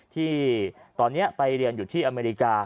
ที่ตอนนี้ไปเรียนอยู่ที่อเมริกา